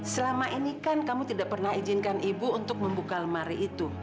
selama ini kan kamu tidak pernah izinkan ibu untuk membuka lemari itu